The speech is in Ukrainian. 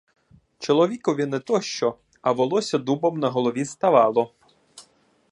Чоловікові не то що, а волосся дубом на голові ставало.